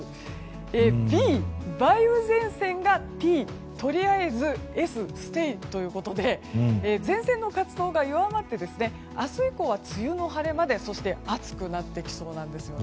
Ｂ、梅雨前線がＴ、とりあえずＳ、ステイということで前線の活動が弱まって明日以降は梅雨の晴れ間で暑くなってきそうなんです。